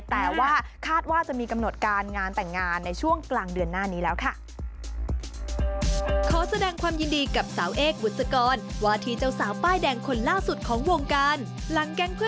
แต่ว่าคาดว่าจะมีกำหนดการงานแต่งงานในช่วงกลางเดือนหน้านี้แล้วค่ะ